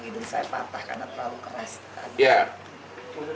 hidung saya patah karena terlalu keras